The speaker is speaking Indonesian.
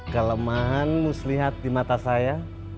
kelemahan muslihat di mata saya